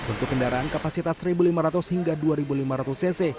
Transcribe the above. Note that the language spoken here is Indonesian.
untuk kendaraan kapasitas satu lima ratus hingga dua lima ratus cc